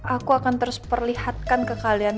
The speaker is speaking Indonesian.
aku akan terus perlihatkan ke kalian